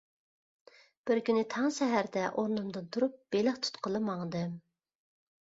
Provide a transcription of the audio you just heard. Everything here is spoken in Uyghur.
بىر كۈنى تاڭ سەھەردە ئورنۇمدىن تۇرۇپ بېلىق تۇتقىلى ماڭدىم.